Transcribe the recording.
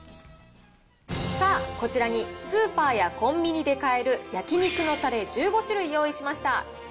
さあ、こちらにスーパーやコンビニで買える焼肉のたれ１５種類用意しました。